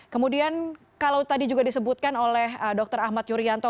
kemudian kalau tadi juga disebutkan oleh dr ahmad yuryanto